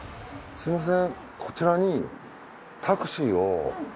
すみません。